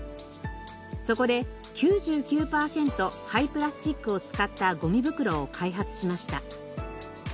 そこで９９パーセント廃プラスチックを使ったごみ袋を開発しました。